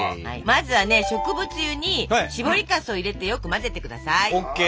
まずはね植物油にしぼりかすを入れてよく混ぜて下さい。